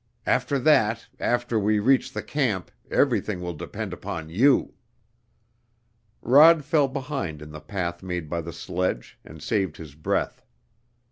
After that, after we reach the camp, everything will depend upon you." Rod fell behind in the path made by the sledge, and saved his breath.